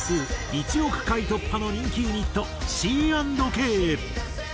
１億回突破の人気ユニットＣ＆Ｋ。